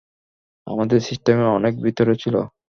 আমাদের সিস্টেমের অনেক ভিতরে ছিল।